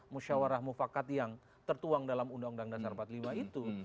musyawarah mufakat yang tertuang dalam udn empat puluh lima itu